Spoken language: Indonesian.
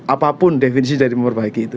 apapun definisi dari memperbaiki itu